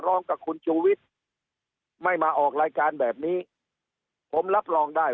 ร้องกับคุณชูวิทย์ไม่มาออกรายการแบบนี้ผมรับรองได้